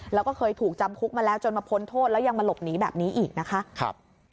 แล้วก็เคยถูกจำคุกมาแล้วจนมาพ้นโทษแล้วยังมาหลบหนีแบบนี้อีกนะคะ